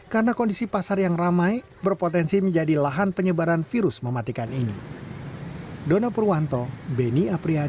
karena kondisi pasar yang ramai berpotensi menjadi lahan penyebaran virus mematikan ini